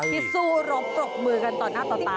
ที่สู้รบปรบมือกันต่อหน้าต่อตา